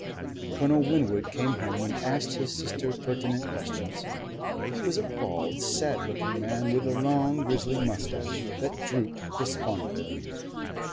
Colonel Winwood came home and asked his sister pertinent questions. He was a bald, sad looking man with a long grizzling moustache that drooped despondently.